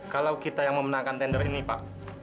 kalau kita yang memenangkan tender ini pak